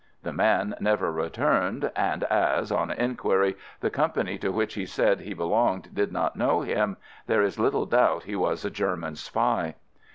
The man never returned, and as, on inquiry, the company to which he said he belonged did not know him, there is little doubt he was a German spy.